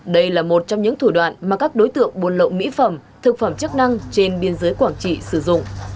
đây là một trong những thủ đoạn mà các đối tượng buôn lậu mỹ phẩm thực phẩm chức năng trên biên giới quảng trị sử dụng